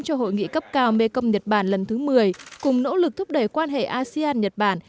cho hội nghị cấp cao mekong nhật bản lần thứ một mươi cùng nỗ lực thúc đẩy quan hệ asean nhật bản